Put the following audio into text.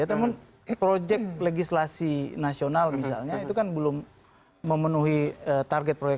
namun proyek legislasi nasional misalnya itu kan belum memenuhi target proyek